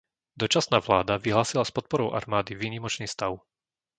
Dočasná vláda vyhlásila s podporou armády výnimočný stav.